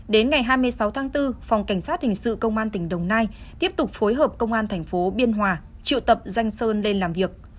đến ngày hai mươi sáu tháng bốn phòng cảnh sát hình sự công an tỉnh đồng nai tiếp tục phối hợp công an thành phố biên hòa triệu tập danh sơn lên làm việc